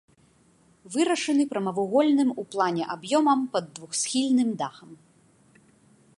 Вырашаны прамавугольным у плане аб'ёмам пад двухсхільным дахам.